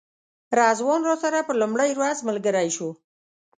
رضوان راسره په لومړۍ ورځ ملګری شو.